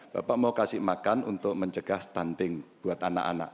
bapak mau kasih makan untuk mencegah stunting buat anak anak